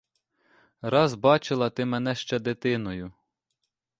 Раз бачила ти мене ще дитиною.